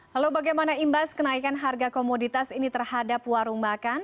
lalu bagaimana imbas kenaikan harga komoditas ini terhadap warung makan